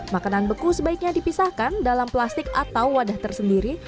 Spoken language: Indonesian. makanan beku sebaiknya dipisahkan dalam plastik atau wadah tersendiri